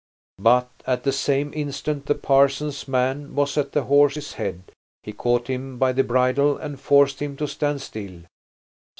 But at the same instant the parson's man was at the horse's head; he caught him by the bridle and forced him to stand still.